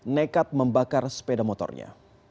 nekat membakar sepeda motornya